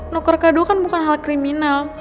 nuker kado kan bukan hal kriminal